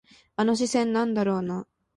あの視線、なんだろうな。